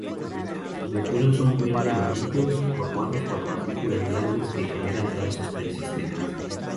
Los meteoros son verde amarillos, formados por partículas grandes que generan trazos persistentes.